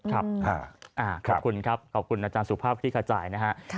ครับขอบคุณครับขอบคุณอาจารย์สุขภาพพิธีกระจายนะฮะ